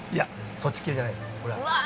そっち系じゃないですほらうわ